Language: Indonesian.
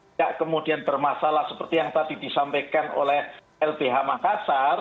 tidak kemudian bermasalah seperti yang tadi disampaikan oleh lbh makassar